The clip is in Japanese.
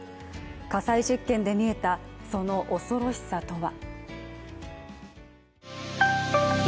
火災実験で見えた、その恐ろしさとは。